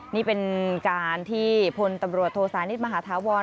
นี่เป็นการที่พลตำรวจโทสานิทมหาธาวร